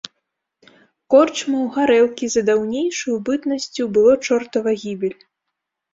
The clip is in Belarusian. Корчмаў, гарэлкі за даўнейшую бытнасцю было чортава гібель.